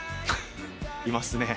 いますね。